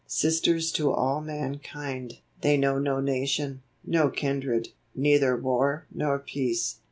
Sisters to all mankind, they know no nation, no kindred, neither war nor peace.